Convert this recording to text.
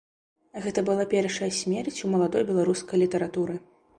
Гэта была першая смерць у маладой беларускай літаратуры.